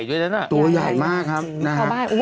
โอ้ตัวใหญ่โหว้